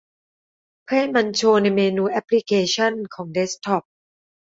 เพื่อให้มันโชว์ในเมนูแอปพลิเคชันของเดสก์ท็อป